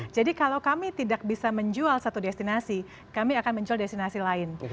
jadi kalau kami tidak bisa menjual satu destinasi kami akan menjual destinasi lain